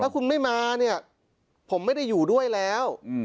คุณไม่มาเนี่ยผมไม่ได้อยู่ด้วยแล้ว